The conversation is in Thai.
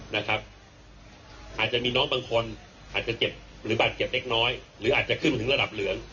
อาจจะมีน้องบางคนอาจจะเจ็บหรือบาดเจ็บเล็กน้อยหรืออาจจะขึ้นมาถึงระดับเหลือง